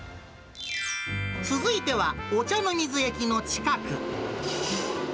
続いては、御茶ノ水駅の近く。